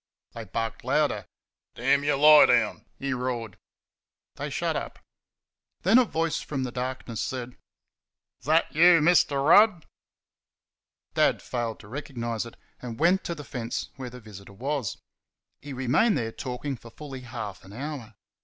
They barked louder. "Damn you lie down!" he roared. They shut up. Then a voice from the darkness said: "Is that you, Mr. Rudd?" Dad failed to recognise it, and went to the fence where the visitor was. He remained there talking for fully half an hour.